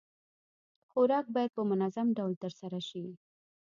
خوراک بايد په منظم ډول ترسره شي.